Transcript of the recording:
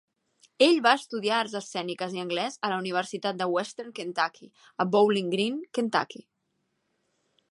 Ell va estudiar arts escèniques i anglès a la Universitat de Western Kentucky, a Bowling Green, Kentucky.